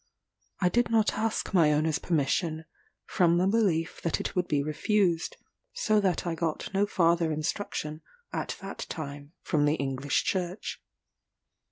I did not ask my owner's permission, from the belief that it would be refused; so that I got no farther instruction at that time from the English Church.